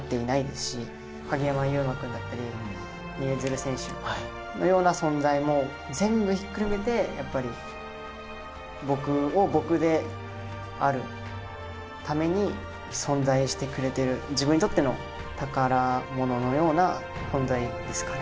鍵山優真君だったり結弦選手のような存在も全部ひっくるめて僕を僕であるために存在してくれてる自分にとっての宝物のような存在ですかね